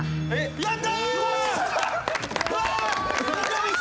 やった！